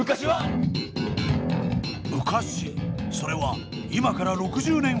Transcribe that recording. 昔それは今から６０年ほど前。